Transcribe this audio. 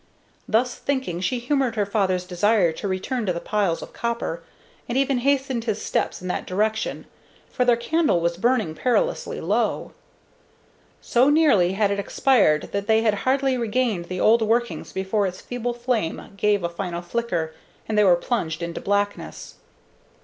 Thus thinking, she humored her father's desire to return to the piles of copper, and even hastened his steps in that direction, for their candle was burning perilously low. So nearly had it expired that they had hardly regained the old workings before its feeble flame gave a final flicker, and they were plunged into blackness.